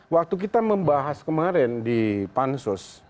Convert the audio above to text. waktu kita membahas kemarin di pansus